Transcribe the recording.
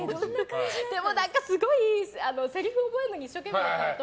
でも、すごいせりふ覚えるのに一生懸命だったのと